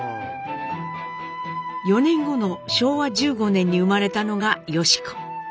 ４年後の昭和１５年に生まれたのが良子。